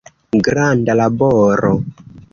Granda laboro.